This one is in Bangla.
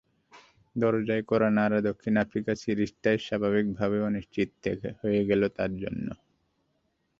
দরজায় কড়া নাড়া দক্ষিণ আফ্রিকা সিরিজটা স্বাভাবিকভাবেই অনিশ্চিতই হয়ে গেল তাঁর জন্য।